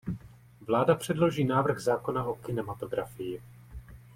Vláda předloží návrh zákona o kinematografii.